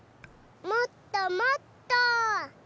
もっともっと！